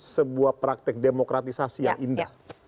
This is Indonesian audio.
sebuah praktek demokratisasi yang indah